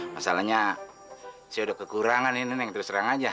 masalahnya saya udah kekurangan nih nenek terus terang aja